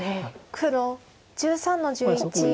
黒１３の十一ノビ。